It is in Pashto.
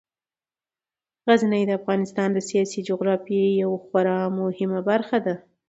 غزني د افغانستان د سیاسي جغرافیې یوه خورا مهمه برخه ده.